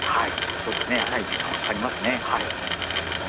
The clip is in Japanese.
そうですね、やはり時間はかかりますね。